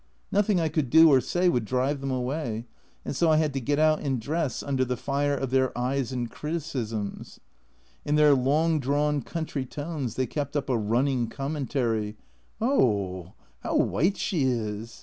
Nothing I could do or say would drive them away, and so I had to get out and dress under the fire of their eyes and criticisms. In their long drawn country tones they kept up a running commentary, "Ooa how white she is!"